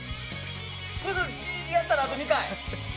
すぐやったら、あと２回。